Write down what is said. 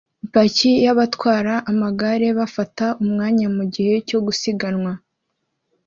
Ipaki yabatwara amagare bafata umwanya mugihe cyo gusiganwa